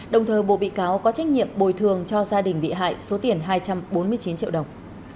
đồng thời bộ bị cáo có trách nhiệm bồi thường cho gia đình bị hại số tiền hai trăm bốn mươi chín triệu đồng